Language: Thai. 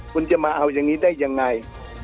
คุณจะมาเอาอย่างนี้ได้ยังไง